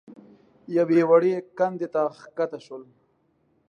يوې وړې کندې ته کښته شول.